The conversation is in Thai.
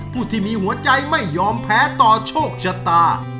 ผู้ที่มีหัวใจไม่ยอมแพ้ต่อโชคชะตา